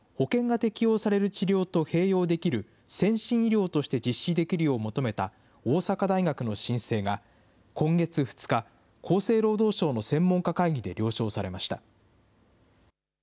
この技術について着床前検査の新たな技術を保険が適用される治療と併用できる先進医療として実施できるよう求めた、大阪大学の申請が今月２日、厚生労働省の専門家会議で、了承されました。